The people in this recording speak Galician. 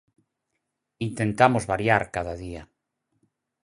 Intentamos variar cada día.